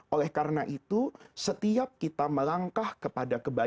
oleh karena itu setiap kita melangkah kepada kebaikan